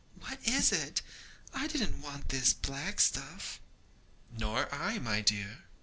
What is it? I didn't want this black stuff.' 'Nor I, my dear.'